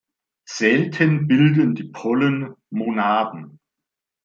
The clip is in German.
Selten bilden die Pollen Monaden.